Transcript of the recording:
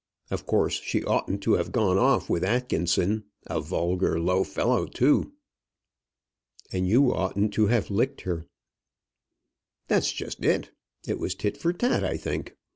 Of course she oughtn't to have gone off with Atkinson; a vulgar low fellow, too." "And you oughtn't to have licked her." "That's just it. It was tit for tat, I think.